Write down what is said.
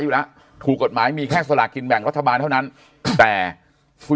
อยู่แล้วถูกกฎหมายมีแค่สลากกินแบ่งรัฐบาลเท่านั้นแต่คุณ